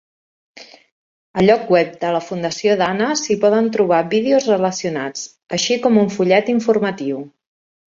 Al lloc web de la Fundació Dana s'hi poden trobar vídeos relacionats, així com un fullet informatiu.